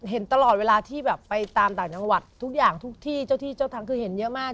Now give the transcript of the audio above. เห็นตลอดเวลาที่แบบไปตามต่างจังหวัดทุกอย่างทุกที่เจ้าที่เจ้าทางคือเห็นเยอะมาก